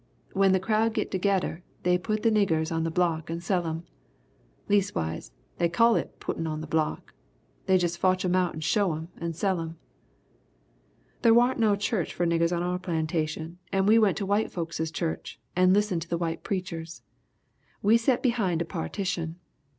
When the crowd git togedder they put the niggers on the block and sell 'em. Leas'wise, they call it 'puttin' on the block' they jus' fotch 'em out and show 'em and sell 'em. "They waren't no church for niggers on our plantation and we went to white folkses church and listened to the white preachers. We set behind a partition.